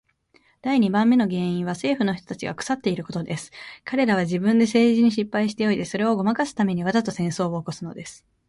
第二番目の原因は政府の人たちが腐っていることです。彼等は自分で政治に失敗しておいて、それをごまかすために、わざと戦争を起すのです。